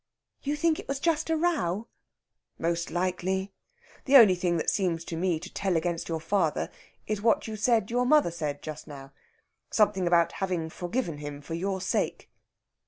"You think it was just a row?" "Most likely. The only thing that seems to me to tell against your father is what you said your mother said just now something about having forgiven him for your sake."